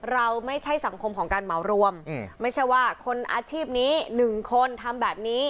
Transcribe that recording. เราไม่ใช่สังคมของการเหมารวมไม่ใช่ว่าคนอาชีพนี้หนึ่งคนทำแบบนี้